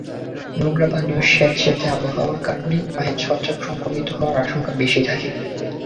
নোংরা পানিও স্যাঁতসেঁতে আবহাওয়ার কারণে পায়ে ছত্রাক সংক্রমিত হওয়ার আশঙ্কা বেশি থাকে।